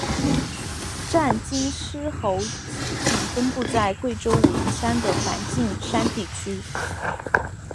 黔金丝猴仅分布在贵州武陵山的梵净山地区。